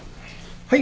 はい。